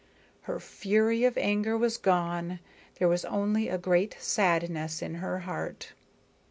Her fury of anger was gone, there was only a great sadness in her heart.